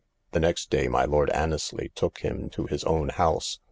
The next day my Lord Annesly took him to his own house.